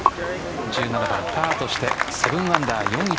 １７番、パーとして７アンダー４位